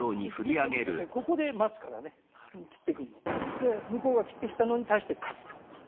で向こうが斬ってきたのに対して勝つと。